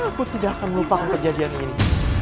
aku tidak akan melupakan kejadian ini